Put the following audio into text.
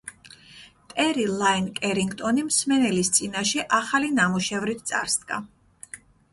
ტერი ლაინ კერინგტონი მსმენელის წინაშე ახალი ნამუშევრით წარსდგა.